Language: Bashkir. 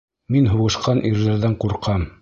Мин һуғышҡан ирҙәрҙән ҡурҡам!